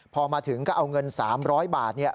พอมาถึงก็เอาเงิน๓๐๐บาท